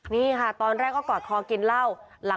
นี่ค่ะตอนแรกก็กอดคอกินเหล้า